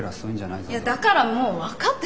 いやだからもう分かってるよ。